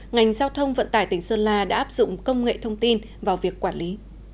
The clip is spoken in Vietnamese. ngành giao thông vận tải tỉnh sơn la đã áp dụng công nghệ thông tin vào việc quản lý